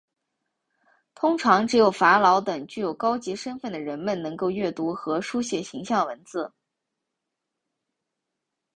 通常只有法老等具有高级身份的人们能够阅读和书写象形文字。